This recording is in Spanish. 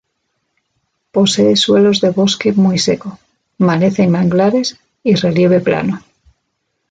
Posee suelos de bosque muy seco, maleza y manglares y relieve plano.